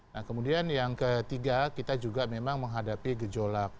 nah kemudian yang ketiga kita juga memang menghadapi gejolak